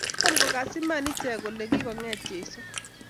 Tom kogas iman ichek kole kikonget Jeso